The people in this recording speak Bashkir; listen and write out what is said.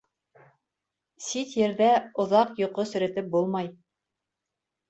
Сит ерҙә оҙаҡ йоҡо серетеп булмай.